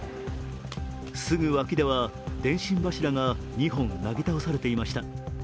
すぐ脇では、電信柱が２本なぎ倒されていました。